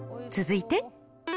続いて。